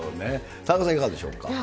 田中さんはいかがでしょうか。